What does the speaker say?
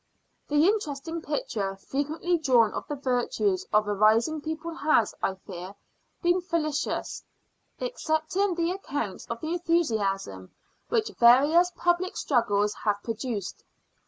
The interesting picture frequently drawn of the virtues of a rising people has, I fear, been fallacious, excepting the accounts of the enthusiasm which various public struggles have produced.